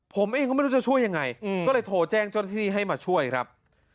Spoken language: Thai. ผมเองก็ไม่รู้จะช่วยยังไงก็เลยโทรแจ้งเจ้าหน้าที่ให้มาช่วยครับ